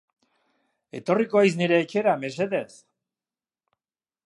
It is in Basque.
Etorriko haiz nire etxera, mesedez?